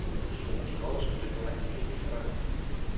Suonò di nuovo sotto il nome "Elvis Ramone".